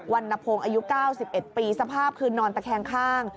วันนโพงอายุ๙๑ปีสภาพคืนนอนตะแค้งข้าง